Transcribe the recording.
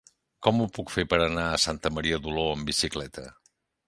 Com ho puc fer per anar a Santa Maria d'Oló amb bicicleta?